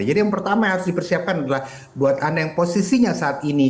yang pertama yang harus dipersiapkan adalah buat anda yang posisinya saat ini